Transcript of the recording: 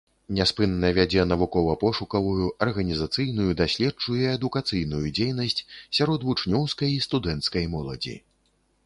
Няспынна вядзе навукова-пошукавую, арганізацыйную, даследчую і адукацыйную дзейнасць сярод вучнёўскай і студэнцкай моладзі.